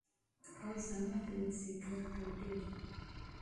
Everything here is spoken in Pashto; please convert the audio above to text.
اوه زما د ځيګر ټوټې.